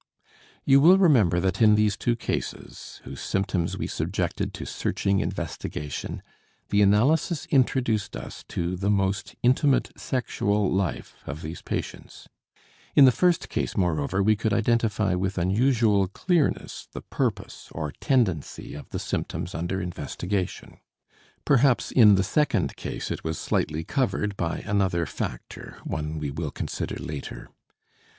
You will remember that in these two cases, whose symptoms we subjected to searching investigation, the analysis introduced us to the most intimate sexual life of these patients. In the first case, moreover, we could identify with unusual clearness the purpose or tendency of the symptoms under investigation. Perhaps in the second case it was slightly covered by another factor one we will consider later.